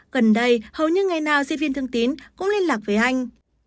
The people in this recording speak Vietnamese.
gần đây hầu như ngày nào sinh viên thương tín cũng liên lạc với anh